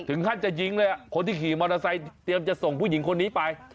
ท่านจะยิงเลยคนที่ขี่มอเตอร์ไซค์เตรียมจะส่งผู้หญิงคนนี้ไป